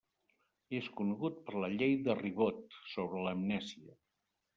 És conegut per la Llei de Ribot sobre l'amnèsia.